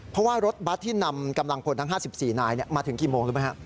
เพราะว่ารถบัตรที่นำกำลังพลทั้ง๕๔นายมาถึงกี่โมงรู้ไหมครับ